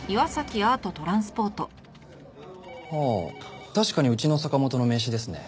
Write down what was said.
ああ確かにうちの坂本の名刺ですね。